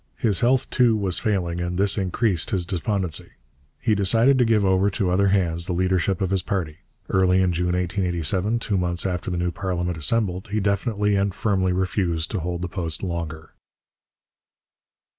His health, too, was failing, and this increased his despondency. He decided to give over to other hands the leadership of his party. Early in June 1887, two months after the new parliament assembled, he definitely and firmly refused to hold the post longer.